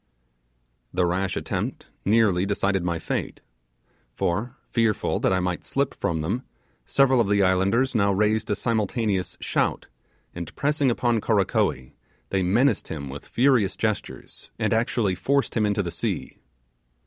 The rash attempt nearly decided my fate; for, fearful that I might slip from them, several of the islanders now raised a simultaneous shout, and pressing upon Karakoee, they menaced him with furious gestures, and actually forced him into the sea.